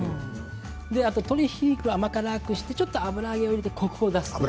あと鶏ひき肉、甘辛くしてちょっと油揚げを入れてコクを出す。